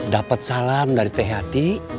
dapet salam dari pht